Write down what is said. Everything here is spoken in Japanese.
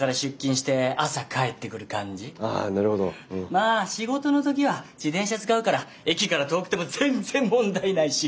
まあ仕事の時は自転車使うから駅から遠くても全然問題ないし。